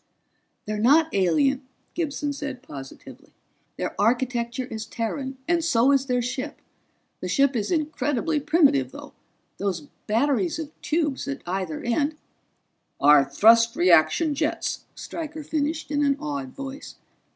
"They're not alien," Gibson said positively. "Their architecture is Terran, and so is their ship. The ship is incredibly primitive, though; those batteries of tubes at either end " "Are thrust reaction jets," Stryker finished in an awed voice.